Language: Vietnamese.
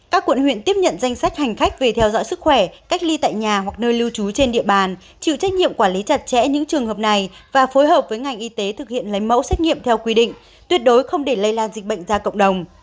các quận huyện tiếp nhận danh sách hành khách về theo dõi sức khỏe cách ly tại nhà hoặc nơi lưu trú trên địa bàn chịu trách nhiệm quản lý chặt chẽ những trường hợp này và phối hợp với ngành y tế thực hiện lấy mẫu xét nghiệm theo quy định tuyệt đối không để lây lan dịch bệnh ra cộng đồng